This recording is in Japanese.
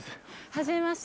はじめまして。